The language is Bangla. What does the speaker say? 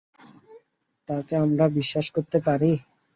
তাকে আমরা বিশ্বাস করতে পারি?